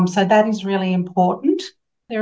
jadi itu sangat penting